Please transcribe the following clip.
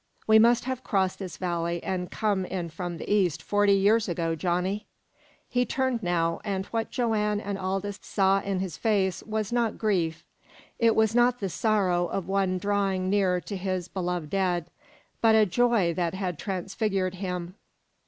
We must have crossed this valley an' come in from the east forty years ago, Johnny " He turned now, and what Joanne and Aldous saw in his face was not grief; it was not the sorrow of one drawing near to his beloved dead, but a joy that had transfigured him.